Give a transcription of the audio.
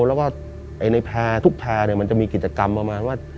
แล้วก็ในแพร่ทุกแพร่มันจะมีกิจกรรมประมาณว่า